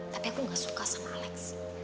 tapi aku gak suka sama alex